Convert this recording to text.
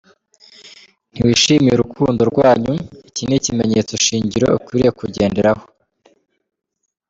Ntiwishimiye urukundo rwanyu Iki ni ikimenyetso shingiro ukwiriye kugenderaho.